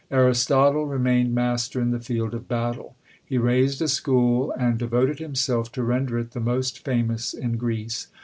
Aristotle remained master in the field of battle. He raised a school, and devoted himself to render it the most famous in Greece.